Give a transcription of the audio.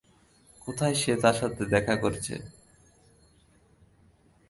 কোথায় সে তার সাথে দেখা করেছে?